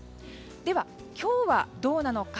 では、今日はどうなのか。